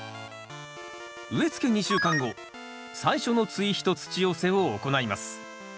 植え付け２週間後最初の追肥と土寄せを行います。